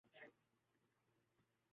کیا دین دار لوگ ہیں۔